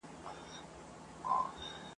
چي ملالیاني مي ور ستایلې !.